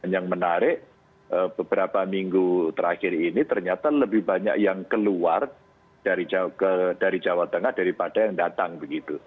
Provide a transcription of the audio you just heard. yang menarik beberapa minggu terakhir ini ternyata lebih banyak yang keluar dari jawa tengah daripada yang datang begitu